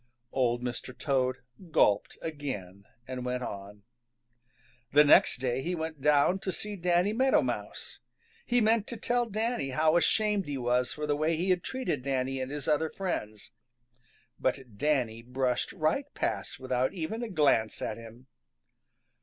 Old Mr. Toad gulped again and went on. The next day he went down to see Danny Meadow Mouse. He meant to tell Danny how ashamed he was for the way he had treated Danny and his other friends. But Danny brushed right past without even a glance at him.